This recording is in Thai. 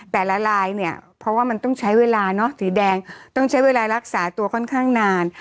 ลายเนี่ยเพราะว่ามันต้องใช้เวลาเนอะสีแดงต้องใช้เวลารักษาตัวค่อนข้างนาน